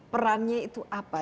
perannya itu apa